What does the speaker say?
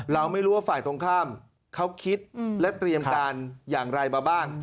เราไม่รู้ว่าฝ่ายตรงข้ามเขาคิดและเตรียมการอย่างไรมาบ้าง